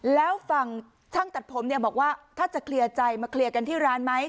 แล้วฝั่งช่างตัดผมเนี่ยบอกว่าถ้าจะเคลียร์ใจมาเคลียร์กันที่ร้านไหม